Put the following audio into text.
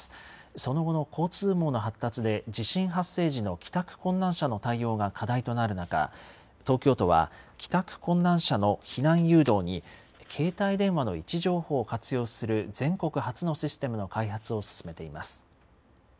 その後の交通網の発達で、地震発生時の帰宅困難者の対応が課題となる中、東京都は帰宅困難者の避難誘導に携帯電話の位置情報を活用する全国初のシステムの開発を進めています。